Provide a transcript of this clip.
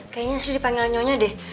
kayaknya istri dipanggilnya nyonya deh